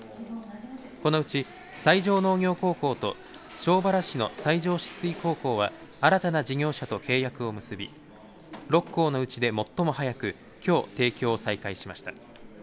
このうち西条農業高校と庄原市の西城紫水高校は新たな事業者と契約を結び６校のうちで最も早くきょう提供を再開しました。